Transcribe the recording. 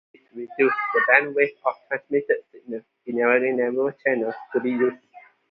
This reduces the bandwidth of the transmitted signal, enabling narrower channels to be used.